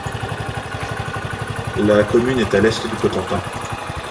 La commune est à l'est du Cotentin.